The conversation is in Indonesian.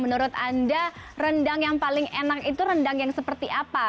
menurut anda rendang yang paling enak itu rendang yang seperti apa